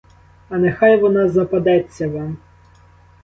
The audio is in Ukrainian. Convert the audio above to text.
А нехай вона западеться вам!